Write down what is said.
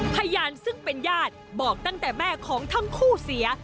พยานซึ่งเป็นญาติบอกตั้งแต่แม่ของทั้งคู่เสีย